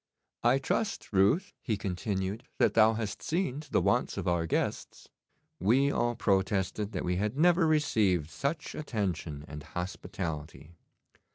I trust, Ruth,' he continued, 'that thou hast seen to the wants of our guests.' We all protested that we had never received such attention and hospitality.